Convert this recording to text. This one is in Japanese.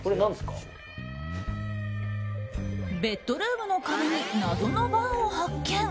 ベッドルームの壁に謎のバーを発見！